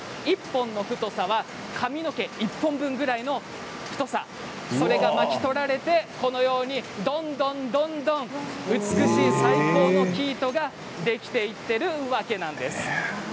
１本の太さは髪の毛１本分くらいの太さそれが巻き取られてこのように、どんどんどんどん美しい最高の生糸ができていってるわけなんです。